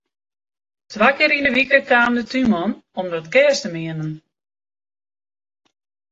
Twa kear yn 'e wike kaam de túnman om it gjers te meanen.